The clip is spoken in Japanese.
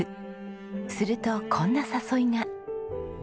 するとこんな誘いが。